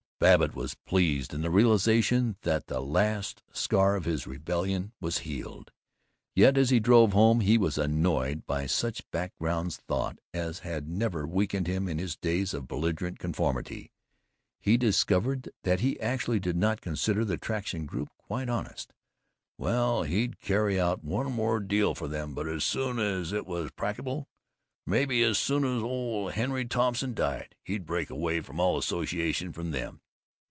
Babbitt was pleased in the realization that the last scar of his rebellion was healed, yet as he drove home he was annoyed by such background thoughts as had never weakened him in his days of belligerent conformity. He discovered that he actually did not consider the Traction group quite honest. "Well, he'd carry out one more deal for them, but as soon as it was practicable, maybe as soon as old Henry Thompson died, he'd break away from all association from them.